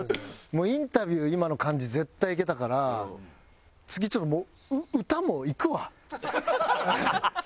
もうインタビュー今の感じ絶対いけたから次ちょっともうハハハハ！